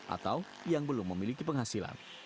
atau yang belum memiliki penghasilan